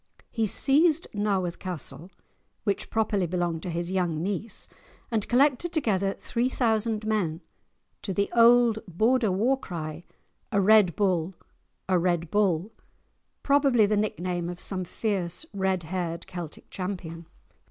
He seized Nawarth Castle, which properly belonged to his young niece, and collected together three thousand men to the old Border war cry, "A Red Bull, a Red Bull!" (probably the nickname of some fierce red haired Celtic champion).